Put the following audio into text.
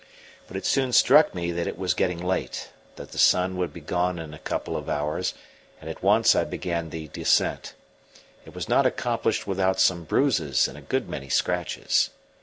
But it soon struck me that it was getting late, that the sun would be gone in a couple of hours; and at once I began the descent. It was not accomplished without some bruises and a good many scratches.